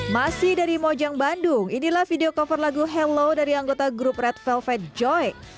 masih dari mojang bandung inilah video cover lagu hello dari anggota grup red velvet joy